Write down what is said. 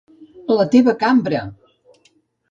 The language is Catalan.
La teva cambra!